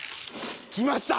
来ました！